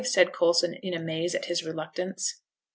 said Coulson, in amaze at his reluctance.